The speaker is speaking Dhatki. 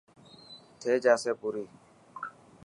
ٿي جاسي پوري.